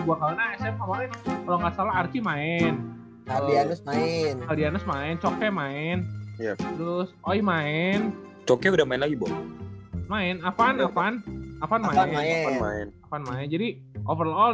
gua kalau nggak salah arti main kalian main main main main main main main main main main main